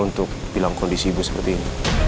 untuk bilang kondisi ibu seperti ini